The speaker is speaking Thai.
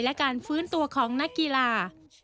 และการฟื้นตัวของนักกีฬา